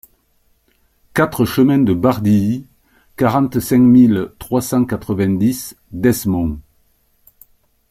quatre chemin de Bardilly, quarante-cinq mille trois cent quatre-vingt-dix Desmonts